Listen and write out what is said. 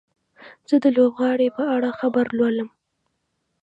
زه د لوبغاړي په اړه خبر لولم.